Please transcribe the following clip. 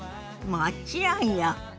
もちろんよ。